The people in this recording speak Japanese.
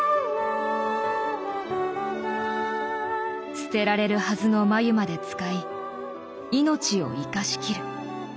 捨てられるはずの繭まで使い命を生かしきる。